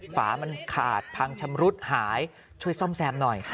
ฝามันขาดพังชำรุดหายช่วยซ่อมแซมหน่อย